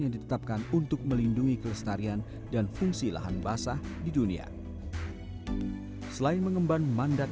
yang ditetapkan untuk melindungi kelestarian dan fungsi lahan basah di dunia selain mengemban mandat